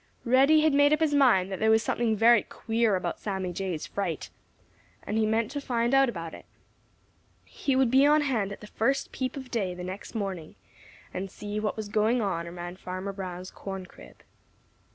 Reddy had made up his mind that there was something very queer about Sammy Jay's fright, and he meant to find out about it. He would be on hand at the first peep of day the next morning and see what was going on around Farmer Brown's corn crib.